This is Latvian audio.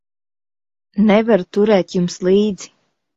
Nevaru turēt jums līdzi.